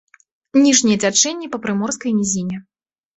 Ніжняе цячэнне па прыморскай нізіне.